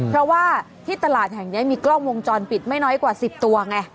เพราะว่าที่ตลาดแห่งนี้มีกล้องวงจรปิดไม่น้อยกว่า๑๐ตัวไง